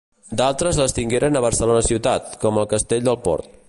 D’altres les tingueren a Barcelona ciutat, com el Castell del Port.